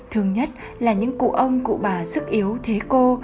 thường nhất là những cụ ông cụ bà sức yếu thế cô